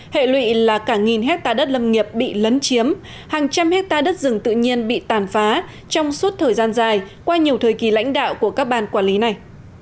hệ lụy là cả nghìn hectare đất lâm nghiệp bị lấn chiếm hàng trăm hectare đất rừng tự nhiên bị tàn phá trong suốt thời gian dài qua nhiều thời kỳ lãnh đạo của các ban quản lý này